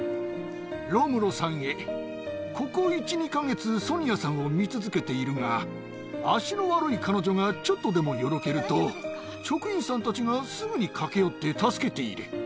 ロムロさんへ、ここ１、２か月、ソニアさんを見続けているが、足の悪い彼女がちょっとでもよろけると、職員さんたちがすぐに駆け寄って助けている。